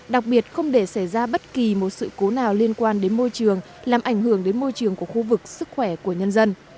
đặc biệt không để xảy ra bất kỳ một sự cố nào liên quan đến môi trường làm ảnh hưởng đến môi trường của khu vực sức khỏe của nhân dân